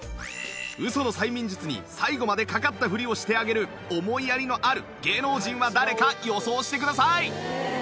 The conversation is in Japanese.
ウソの催眠術に最後までかかったフリをしてあげる思いやりのある芸能人は誰か予想してください